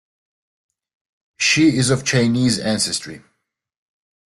She is of Chinese ancestry.